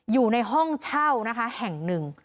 อยู่ในห้องเช่านะคะแห่งหนึ่ง